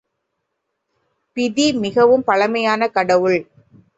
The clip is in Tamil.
பிதி மிகவும் பழமையான கடவுள்.